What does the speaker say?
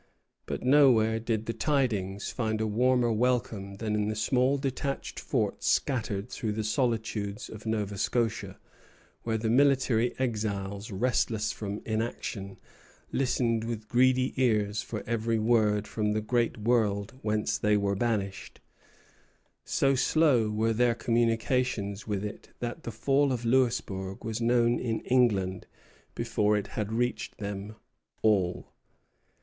But nowhere did the tidings find a warmer welcome than in the small detached forts scattered through the solitudes of Nova Scotia, where the military exiles, restless from inaction, listened with greedy ears for every word from the great world whence they were banished. So slow were their communications with it that the fall of Louisbourg was known in England before it had reached them all.